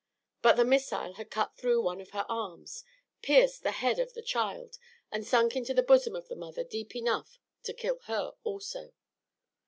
But the missile had cut through one of her arms, pierced the head of the child and sunk into the bosom of the mother deep enough to kill her also.